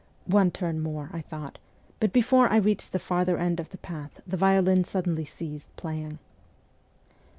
' One turn more,' I thought but before I reached the farther end of the path the violin suddenly ceased playing.